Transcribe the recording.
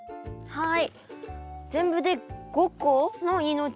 はい。